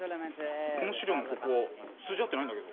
この資料のここ数字合ってないんだけど。